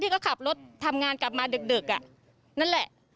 ก็ขับรถทำงานกลับมาดึกนั่นแหละ